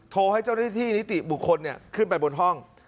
โทรข้าวรัฐแท้ที่นิติบุคคลเนี่ยขึ้นไปบนห้อง